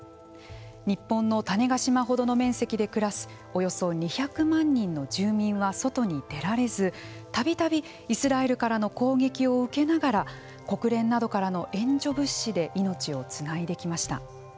日本の種子島ほどの面積で暮らすおよそ２００万人の住民は外に出られずたびたびイスラエルからの攻撃を受けながら国連などからの援助物資で命をつないできました。